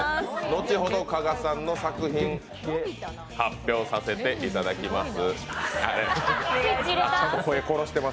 後ほど、加賀さんの作品、発表させていただきます。